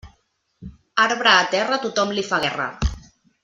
Arbre a terra, tothom li fa guerra.